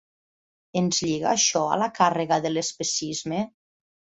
Ens lliga això a la càrrega de l'especisme?